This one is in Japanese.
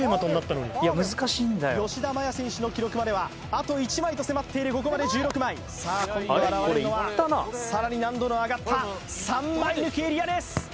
吉田麻也選手の記録まではあと１枚と迫っているここまで１６枚さあ今度現れるのはさらに難度の上がった３枚抜きエリアです